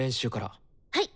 はい！